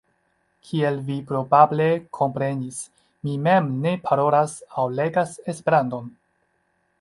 Kiel vi probable komprenis, mi mem ne parolas aŭ legas Esperanton.